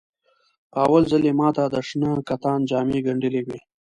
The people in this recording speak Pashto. په اول ځل یې ماته د شنه کتان جامې ګنډلې وې.